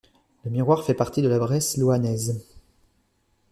Le Miroir fait partie de la Bresse louhannaise.